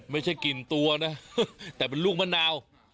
ไม่ใช่กลิ่นตัวนะแต่เป็นลูกมะนาว